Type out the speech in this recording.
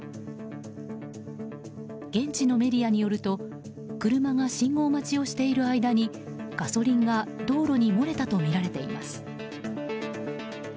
現地のメディアによると車が信号待ちをしている間にガソリンが道路に漏れたとみられています。